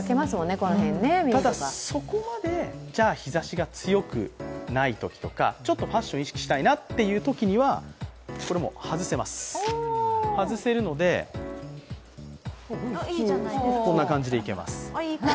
ただそこまで、日ざしが強くないときとかちょっとファッションを意識したいなというときには、これ外せるので、こんな感じでいけます。